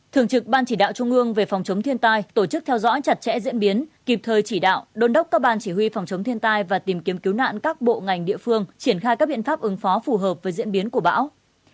thường trực ban chỉ đạo trung ương về phòng chống thiên tai tổ chức theo dõi chặt chẽ diễn biến kịp thời chỉ đạo đôn đốc các ban chỉ huy phòng chống thiên tai và tìm kiếm cứu nạn các bộ ngành địa phương triển khai các biện pháp ứng phó phù hợp với diễn biến của bão